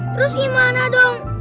terus gimana dong